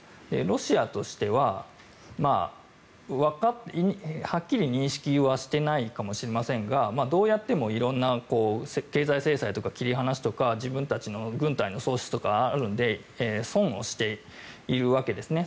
ロシアとしてははっきり認識はしていないかもしれませんがどうやっても色んな経済制裁とか切り離しとか自分たちの軍隊の損失とかあるので損をしているわけですね。